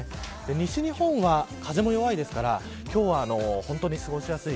西日本は風も弱いですから今日は本当に過ごしやすい。